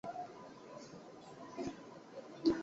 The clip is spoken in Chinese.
台湾外交是指台湾在国际社会所进行之对外活动。